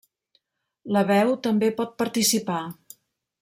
La veu també pot participar.